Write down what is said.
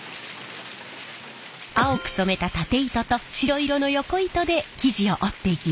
青く染めたタテ糸と白色のヨコ糸で生地を織っていきます。